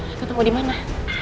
aku tau gue dimana